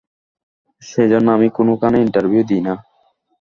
সে জন্য আমি কোনোখানে ইন্টারভিউ দিই না।